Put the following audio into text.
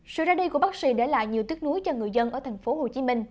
sự ra đi của bác sĩ đã lại nhiều tiếc nối cho người dân ở thành phố hồ chí minh